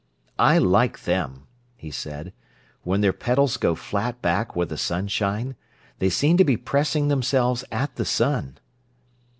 "I like them," he said, "when their petals go flat back with the sunshine. They seemed to be pressing themselves at the sun."